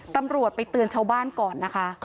ตำรวจไปเตือนชาวบ้านก่อนนะคะ